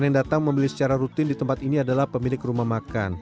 yang datang membeli secara rutin di tempat ini adalah pemilik rumah makan